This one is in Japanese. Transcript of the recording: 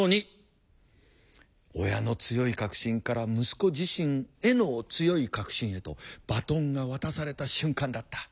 親の強い確信から息子自身への強い確信へとバトンが渡された瞬間だった。